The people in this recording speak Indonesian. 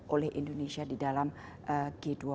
oleh indonesia di dalam g dua puluh